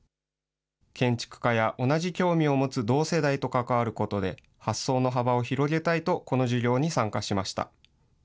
建築家や同じ興味を持つ同世代と関わることで、発想の幅を広げたいと、この授業に参加しました。